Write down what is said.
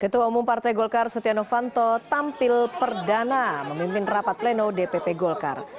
ketua umum partai golkar setia novanto tampil perdana memimpin rapat pleno dpp golkar